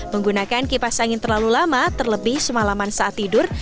menggunakan kipas angin terlalu lama terlebih semalaman saat tidur